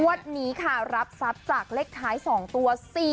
วันนี้ค่ะรับทรัพย์จากเลขท้าย๒ตัว๔๔